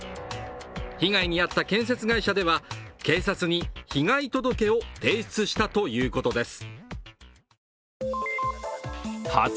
被害に遭った建設会社では警察に被害届を提出したということです。